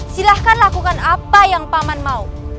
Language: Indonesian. silahkan lakukan apa yang paman mau